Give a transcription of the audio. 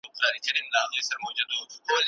سرلوړي یوازي په مېړانه کي پیدا کېږي.